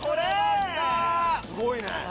すごいね！